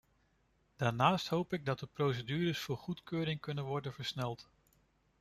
Daarnaast hoop ik dat de procedures voor goedkeuring kunnen worden versneld.